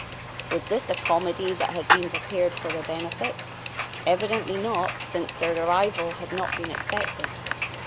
Was this a comedy that had been prepared for their benefit? Evidently not, since their arrival had not been expected.